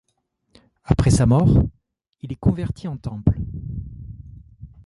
Après sa mort, il est converti en temple.